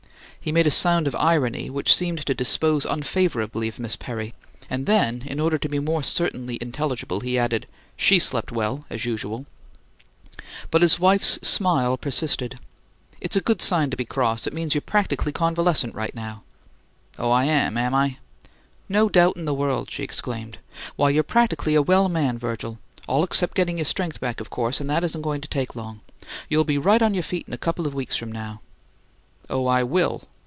He made a sound of irony, which seemed to dispose unfavourably of Miss Perry, and then, in order to be more certainly intelligible, he added, "She slept well, as usual!" But his wife's smile persisted. "It's a good sign to be cross; it means you're practically convalescent right now." "Oh, I am, am I?" "No doubt in the world!" she exclaimed. "Why, you're practically a well man, Virgil all except getting your strength back, of course, and that isn't going to take long. You'll be right on your feet in a couple of weeks from now." "Oh, I will?"